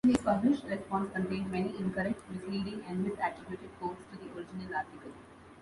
His published response contained many incorrect, misleading, and misattributed quotes to the original article.